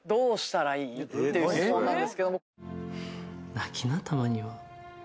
泣きなたまには。